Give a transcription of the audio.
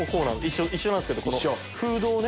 一緒なんすけどフードをね。